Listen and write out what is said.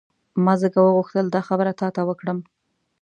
ما ځکه وغوښتل دا خبره تا ته وکړم.